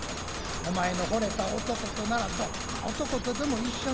お前の惚れた男とならどんな男とでも一緒にさしたる。